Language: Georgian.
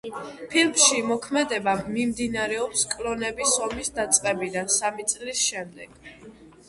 ფილმში მოქმედება მიმდინარეობს კლონების ომის დაწყებიდან სამი წლის შემდეგ.